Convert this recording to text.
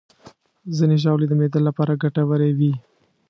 ځینې ژاولې د معدې لپاره ګټورې وي.